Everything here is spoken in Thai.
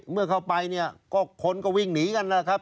เมื่อเข้าไปคนก็วิ่งหนีกันแล้วครับ